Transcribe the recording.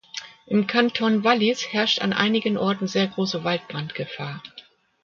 Im Kanton Wallis herrscht an einigen Orten sehr große Waldbrandgefahr.